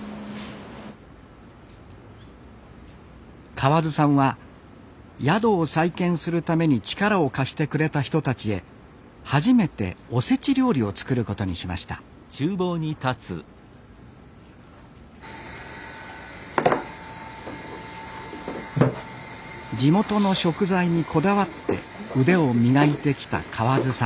河津さんは宿を再建するために力を貸してくれた人たちへ初めておせち料理を作ることにしました地元の食材にこだわって腕を磨いてきた河津さん